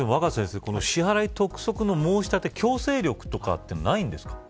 支払い督促の申し立て強制力はないんですか。